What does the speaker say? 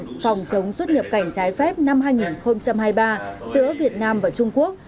luật phòng chống xuất nhập cảnh trái phép năm hai nghìn hai mươi ba giữa việt nam và trung quốc